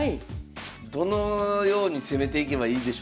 どのように攻めていけばいいでしょうか？